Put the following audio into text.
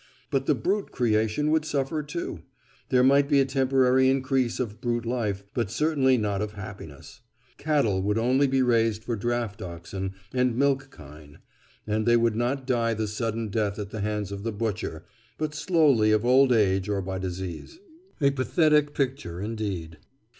But the brute creation would suffer too. There might be a temporary increase of brute life, but certainly not of happiness. Cattle would only be raised for draught oxen and milk kine, and they would not die the sudden death at the hands of the butcher, but slowly of old age or by disease." Footnote 46: "The Open Court," 1898. A pathetic picture, indeed!